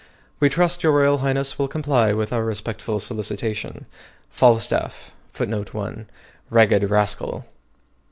We trust Y. Royal Highness will comply with our respectful solicitation. FALSTAFF _Ragged Rascal!